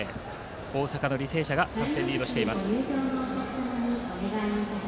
大阪・履正社が３点リードしています。